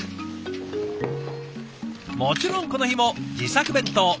もちろんこの日も自作弁当。